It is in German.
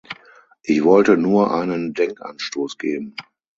Ich wollte nur einen Denkanstoß geben.